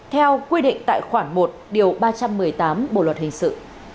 theo quy định tại khoản một điều ba trăm một mươi tám bộ luật hình sự